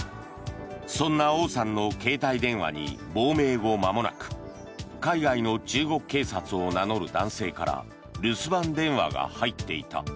そんなオウさんの携帯電話に亡命後まもなく海外の中国警察を名乗る男性から留守番電話が入っていた。